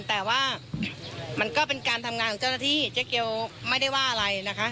แต่ว่ามันก็เป็นการทำงานของเจ้าหน้าที่เจ๊เกียวไม่ได้ว่าอะไรนะคะ